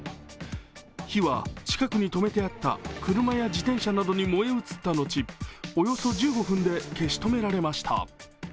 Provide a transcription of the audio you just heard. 火は近くに止めてあった車や自転車などに燃え移ったのち、およそ１５分で消し止められました。